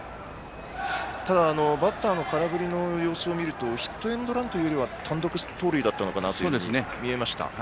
ただ、バッターの空振りの様子を見るとヒットエンドランというより単独盗塁だったのかなと見えました。